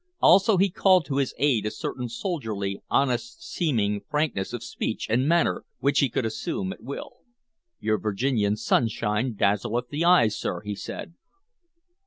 Also he called to his aid a certain soldierly, honest seeming frankness of speech and manner which he could assume at will. "Your Virginian sunshine dazzleth the eyes, sir," he said.